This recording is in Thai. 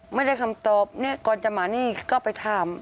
ไม่ได้คำตอบเนี่ยก่อนจะมานี่ก็ไปถาม